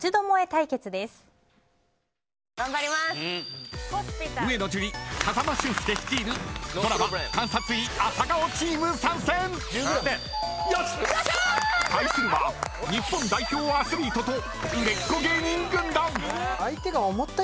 対するは日本代表アスリートと売れっ子芸人軍団。